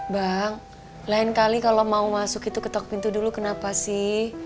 bang lain kali kalau mau masuk itu ketok pintu dulu kenapa sih